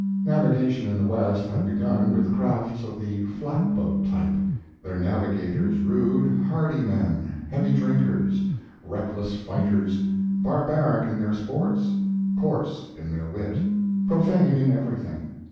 Navigation in the West had begun with crafts of the flat boat type their navigators rude, hardy men, heavy drinkers, reckless fighters, barbaric in their sports, coarse in their wit, profane in everything.